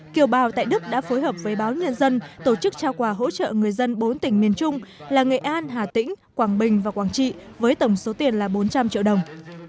kiều bào tại đức đã phối hợp với báo nhân dân tổ chức trao quà hỗ trợ người dân bốn tỉnh miền trung là nghệ an hà tĩnh quảng bình và quảng trị với tổng số tiền là bốn trăm linh triệu đồng